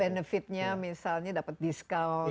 benefitnya misalnya dapat discount